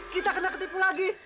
kita kena ketipu lagi